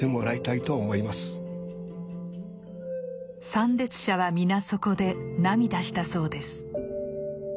参列者は皆そこで涙したそうです。